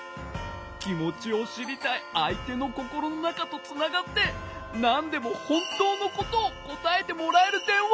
きもちをしりたいあいてのこころのなかとつながってなんでもほんとうのことをこたえてもらえるでんわ。